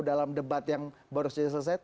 dalam debat yang baru saja selesai